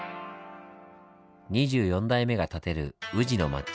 ２４代目がたてる宇治の抹茶。